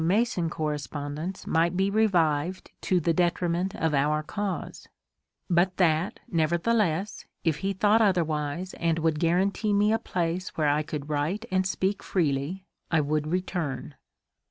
UNITARIANS IN ENGLAND 46 Mason correspondence might be revived to the detriment of our cause ; but that, nevertheless, if he thought otherwise and would guarantee me a place where I could write and speak freely, I would return.